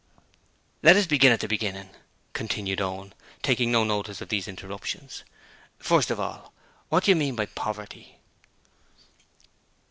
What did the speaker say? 'Let us begin at the beginning,' continued Owen, taking no notice of these interruptions. 'First of all, what do you mean by Poverty?'